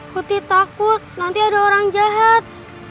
putih takut nanti ada orang jahat